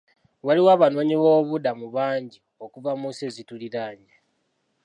Waliwo Abanoonyiboobubudamu bangi okuva mu nsi ezituliraanye.